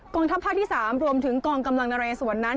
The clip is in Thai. งทัพภาคที่๓รวมถึงกองกำลังนเรสวนนั้น